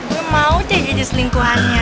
gue mau teh jadi selingkuhannya